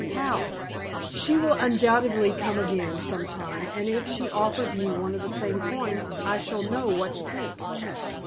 "How?" "She will undoubtedly come again some time, and if she offers me one of the same coins I shall know what to think."